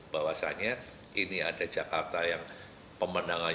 bahwasannya ini ada jakarta yang pemenangannya